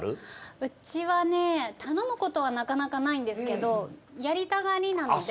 うちはねたのむことはなかなかないんですけどやりたがりなので。